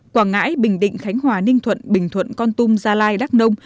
quảng ngãi bình định khánh hòa ninh thuận bình thuận con tum gia lai đắk nông